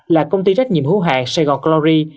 là công ty trách nhiệm hữu hàng sài gòn glory